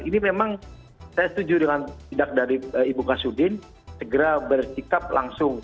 ini memang saya setuju dengan tindak dari ibu kasudin segera bersikap langsung